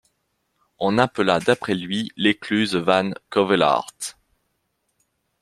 On appela d'après lui, l'écluse Van Cauwelaert.